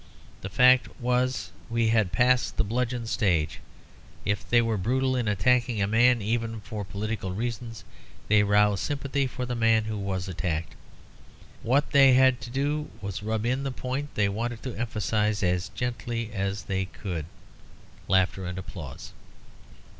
The fact was we had passed the bludgeon stage. If they were brutal in attacking a man, even for political reasons, they roused sympathy for the man who was attacked. What they had to do was to rub in the point they wanted to emphasise as gently as they could." (Laughter and applause.)